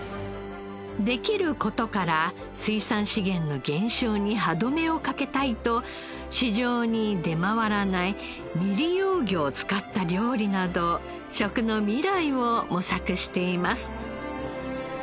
できる事から水産資源の減少に歯止めをかけたいと市場に出回らない未利用魚を使った料理など食の未来を模索しています。